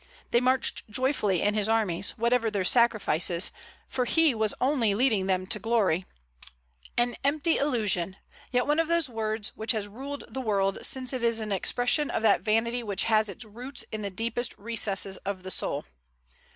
They marched joyfully in his armies, whatever their sacrifices, for he was only leading them to glory, an empty illusion, yet one of those words which has ruled the world, since it is an expression of that vanity which has its roots in the deepest recesses of the soul.